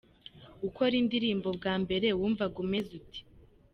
Ukora indirimbo bwa mbere wumvaga umeze ute?.